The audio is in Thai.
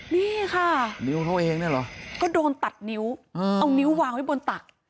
นี่ค่ะก็โดนตัดนิ้วเอานิ้ววางไว้บนตัก